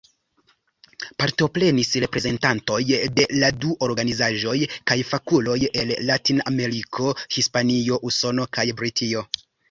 Partoprenis reprezentantoj de la du organizaĵoj kaj fakuloj el Latinameriko, Hispanio, Usono kaj Britio.